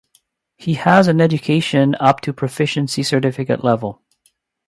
He has an education up to proficiency certificate level.